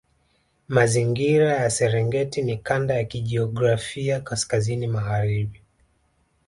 Mazingira ya Serengeti ni kanda ya kijiografia kaskazini magharibi